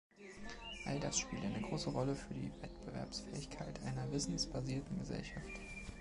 All das spielt eine große Rolle für die Wettbewerbsfähigkeit einer wissensbasierten Gesellschaft.